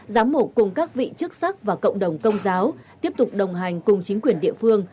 giám mục cùng các vị chức sắc và cộng đồng công giáo tiếp tục đồng hành cùng chính quyền địa phương